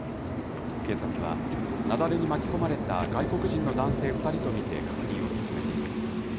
警察は、雪崩に巻き込まれた外国人の男性２人と見て、確認を進めています。